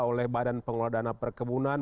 oleh badan pengelola dana perkebunan